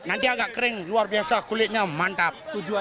nanti agak kering luar biasa kulitnya mantap